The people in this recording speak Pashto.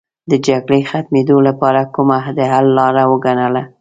د جګړې ختمېدو لپاره کومه د حل لاره وګڼله.